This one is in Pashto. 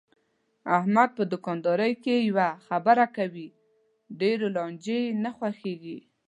احمد په دوکاندارۍ کې یوه خبره کوي، ډېرو لانجې یې نه خوښږي.